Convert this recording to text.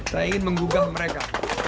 saya ingin menggugah mereka